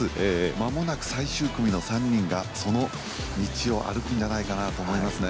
間もなく最終組の３人がその道を歩くんじゃないかなと思いますね。